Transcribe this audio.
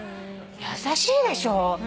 優しいでしょ。